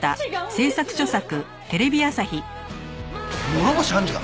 諸星判事が！？